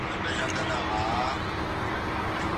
آیا فزیک تر کیمیا ډېر فرمولونه لري؟